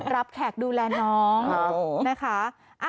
แขกดูแลน้องนะคะ